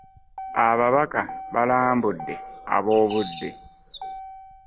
Ababaka balambudde ab'obudde.